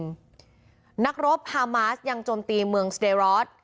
บ้านเมืองเรอิมนักรบฮามาสยังจมตีเมืองสเดรอร์ศ